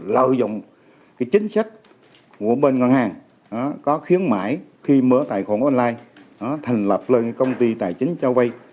lợi dụng chính sách của bên ngân hàng có khiến mãi khi mở tài khoản online thành lập lên công ty tài chính trao vây